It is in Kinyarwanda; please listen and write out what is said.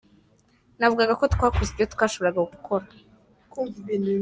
Navuga ko twakoze ibyo twashoboraga gukora.